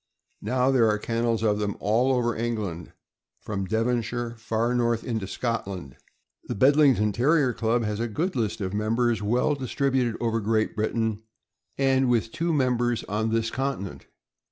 Now there are kennels of them all over England, from Devonshire far north into Scotland. The Bedlington Terrier Club has a good list of members well THE BEDLINGTON TERRIER. 399 distributed over Great Britain, and with two members on this continent.